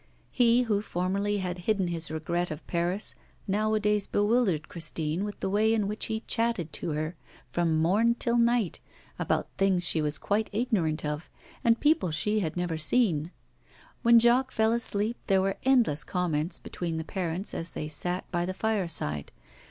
He, who formerly had hidden his regret of Paris, nowadays bewildered Christine with the way in which he chatted to her from morn till night about things she was quite ignorant of, and people she had never seen. When Jacques fell asleep, there were endless comments between the parents as they sat by the fireside.